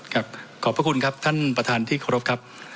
ขอบพระคุณครับท่านประธานที่เคารพครับ